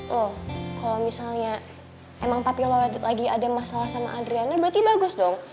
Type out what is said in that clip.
loh kalau misalnya emang tapi lo lagi ada masalah sama adriana berarti bagus dong